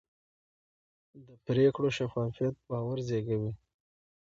د پرېکړو شفافیت باور زېږوي